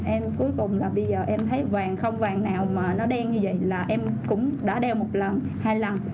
em cuối cùng là bây giờ em thấy vàng không vàng nào mà nó đen như vậy là em cũng đã đeo một lần hai lần